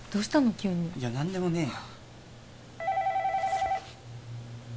急にいや何でもねえよ